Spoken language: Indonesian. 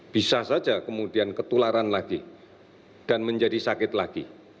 bisa saja kemudian ketularan lagi dan menjadi sakit lagi